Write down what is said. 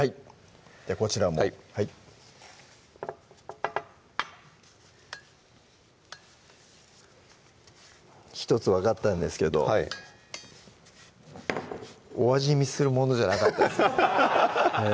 こちらもはい１つ分かったんですけどはいお味見するものじゃなかったです